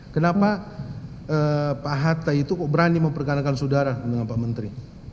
kenapa pak hatta itu kok berani memperkenalkan saudara dengan pak menteri